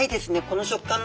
この食感。